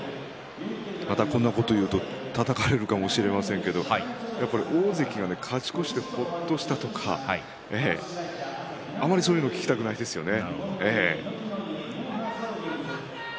こんなことを言うとたたかれるかもしれませんが大関が勝ち越してほっとしているとかあまりそういうことは聞きたくないですね。